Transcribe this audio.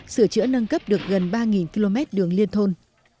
sửa chữa nâng cấp được gần ba km đường liên thôn